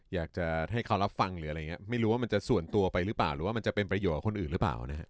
อยากจะให้เขารับฟังหรืออะไรอย่างนี้ไม่รู้ว่ามันจะส่วนตัวไปหรือเปล่าหรือว่ามันจะเป็นประโยชน์กับคนอื่นหรือเปล่านะฮะ